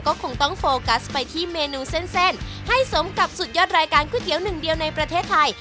ก็คงต้องโฟกัสไปที่เมนูเส้นให้สมกับสุดยอดรายการก๋วยเตี๋ยวหนึ่งเดียวในประเทศไทย